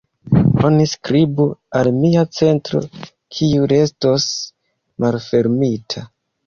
Oni skribu al mia centro kiu restos malfermita.